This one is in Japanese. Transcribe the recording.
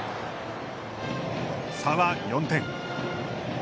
差は４点。